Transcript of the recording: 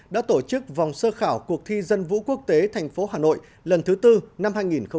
đã tổ chức vòng sơ khảo cuộc thi dân vũ quốc tế thành phố hà nội lần thứ tư năm hai nghìn hai mươi